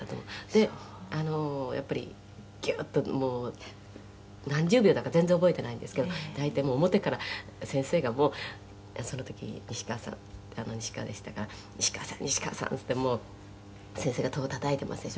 「でやっぱりギューッともう何十秒だか全然覚えてないんですけど抱いてもう表から先生がその時“西川さん”“西川”でしたから“西川さん！西川さん！”ってもう先生が戸をたたいてますでしょ」